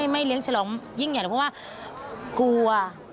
ไม่เลี้ยงฉลองยิ่งใหญ่เพราะว่ากลัว